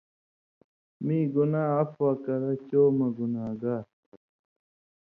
مئیں گناہ عفوہ کرہ چو مہ گناہگار